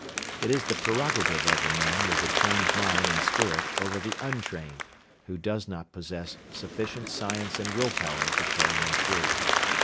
It is the prerogative of the man with the trained mind and spirit over the untrained, who does not possess sufficient science and will power to carry him through.